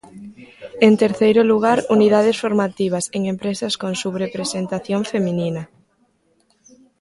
En terceiro lugar, unidades formativas en empresas con subrepresentación feminina.